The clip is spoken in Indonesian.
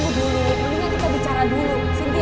mungkin kita bicara dulu